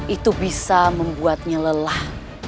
itu bisa membuatnya lelah